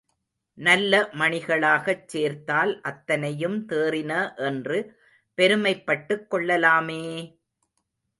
நல்ல மணிகளாகச் சேர்த்தால் அத்தனையும் தேறின என்று பெருமைப்பட்டுக் கொள்ளலாமே!